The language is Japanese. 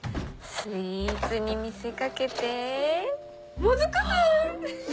スイーツに見せ掛けてもずく酢！